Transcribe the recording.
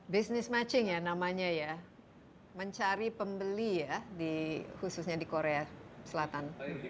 business matching ya namanya ya mencari pembeli ya khususnya di korea selatan